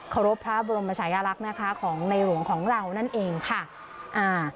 รบพระบรมชายลักษณ์นะคะของในหลวงของเรานั่นเองค่ะอ่า